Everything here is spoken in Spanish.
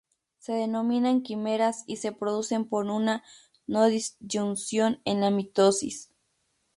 Se denominan quimeras y se producen por una no-disyunción en la mitosis.